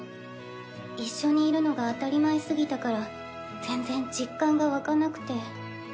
一緒にいるのが当たり前すぎたから全然実感がわかなくて。